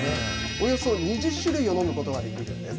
およそ２０種類を飲むことができるんです。